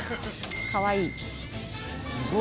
かわいい。